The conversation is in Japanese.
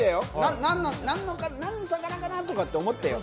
何の魚かなって思ってよ。